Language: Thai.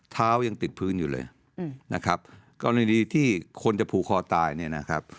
เท้ายังติดพื้นอยู่เลยนะครับกรณีที่คนจะผูกคอตายเนี่ยนะครับ